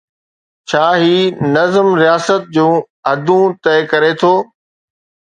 ڇا هي نظم رياست جون حدون طئي ڪري ٿو؟